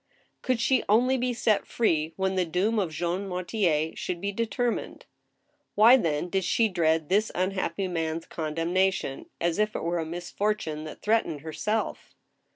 Could she only be set free when the doom of Jean Mortier should be determined ? Why, then* did she dread this unhappy man's condemnation as if it were a misfortune that threatened herself